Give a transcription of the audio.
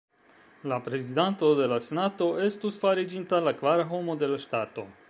La prezidanto de la senato estus fariĝinta la kvara homo de la ŝtato.